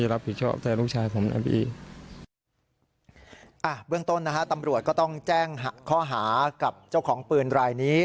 เบื้องต้นนะฮะตำรวจก็ต้องแจ้งข้อหากับเจ้าของปืนรายนี้